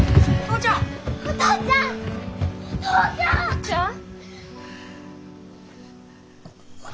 お父ちゃん！